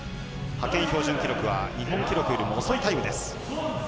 派遣標準記録は日本記録よりも遅いタイムです。